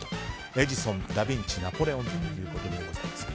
エジソン、ダビンチ、ナポレオンということでございます。